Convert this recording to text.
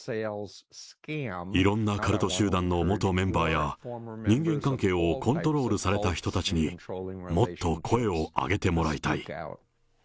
いろんなカルト集団の元メンバーや、人間関係をコントロールされた人たちに、もっと声を上げてもらいたい。